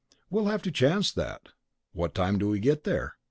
"We'll have to chance that." "What time do we get there?"